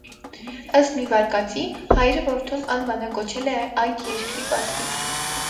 Ըստ մի վարկածի՝ հայրը որդուն անվանակոչել է այդ երկրի պատվին։